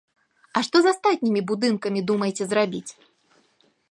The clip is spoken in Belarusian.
А што з астатнімі будынкамі думаеце зрабіць?